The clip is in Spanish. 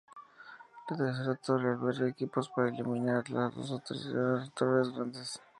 La tercera torre alberga equipos para iluminar las dos torres grandes.